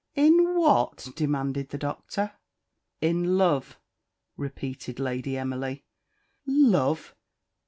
"In what?" demanded the Doctor. "In love," repeated Lady Emily. "Love!